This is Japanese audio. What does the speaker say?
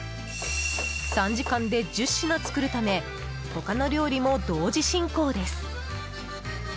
３時間で１０品作るため他の料理も同時進行です。